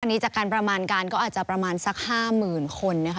อันนี้จากการประมาณการก็อาจจะประมาณสัก๕๐๐๐คนนะคะ